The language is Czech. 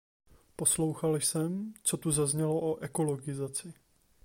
Poslouchal jsem, co tu zaznělo o ekologizaci.